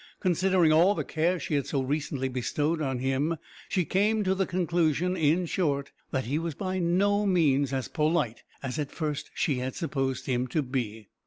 Considering all the care she had so recently bestowed on him, she came to the conclusion, in short, that he was by no means as polite as at first she had supposed him to be.